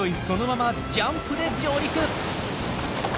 そのままジャンプで上陸！